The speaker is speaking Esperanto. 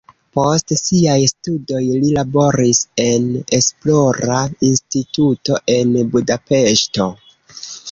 Post siaj studoj li laboris en esplora instituto en Budapeŝto.